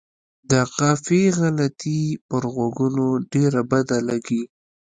د قافیې غلطي پر غوږونو ډېره بده لګي.